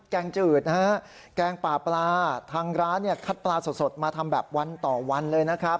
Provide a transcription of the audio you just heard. แกงจืดนะฮะแกงปลาปลาทางร้านเนี่ยคัดปลาสดมาทำแบบวันต่อวันเลยนะครับ